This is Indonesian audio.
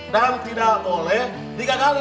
tidak boleh tiga kali